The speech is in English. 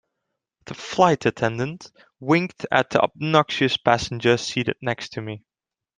The flight attendant winked at the obnoxious passenger seated next to me.